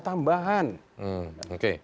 itu adalah pidanaan tambahan